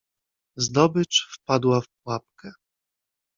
"Zdobycz wpadła w pułapkę."